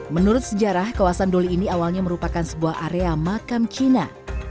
menurut sejarah kawasan doli ini awalnya merupakan sebuah area makam cina